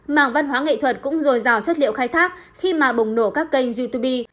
mảng văn hóa nghệ thuật cũng rồi rào chất liệu khai thác khi mà bồng nổ các kênh youtube